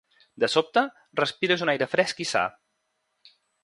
De sobte, respires un aire fresc i sa